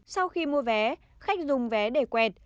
sau khi mua vé khách dùng vé để quẹt